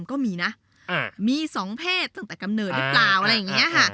ก็มีนะมีสองเพศตั้งแต่กำเนิดหรือเปล่า